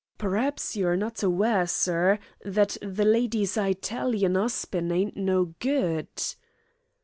"P'r'aps you are not aware, sir, that the lady's Eye talian 'usbin' ain't no good?"